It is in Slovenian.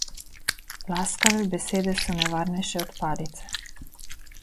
Laskave besede so nevarnejše od palice.